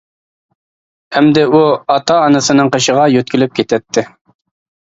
ئەمدى ئۇ ئاتا-ئانىسىنىڭ قېشىغا يۆتكىلىپ كېتەتتى.